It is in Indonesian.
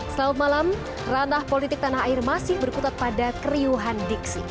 selamat malam ranah politik tanah air masih berkutat pada keriuhan diksi